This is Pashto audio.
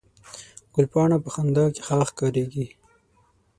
ګلپاڼه په خندا کې ښه ښکارېږي